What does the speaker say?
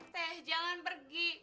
teh jangan pergi